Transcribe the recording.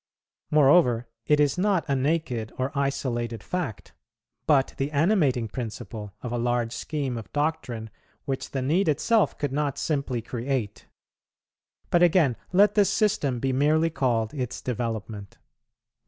Moreover, it is not a naked or isolated fact, but the animating principle of a large scheme of doctrine which the need itself could not simply create; but again, let this system be merely called its development.